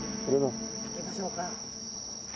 行きましょうか。